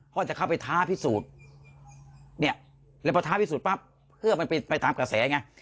จะเข้าไปท้าพิสูจน์เนี่ยแล้วพอท้าพิสูจน์ปั๊บเพื่อมันไปตามกระแสไง